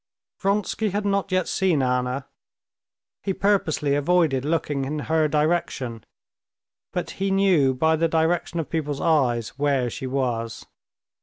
Vronsky had not yet seen Anna. He purposely avoided looking in her direction. But he knew by the direction of people's eyes where she was.